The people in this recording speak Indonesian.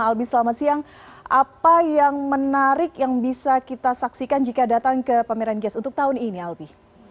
albi selamat siang apa yang menarik yang bisa kita saksikan jika datang ke pameran gias untuk tahun ini albi